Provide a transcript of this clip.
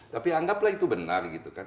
tapi anggaplah itu benar gitu kan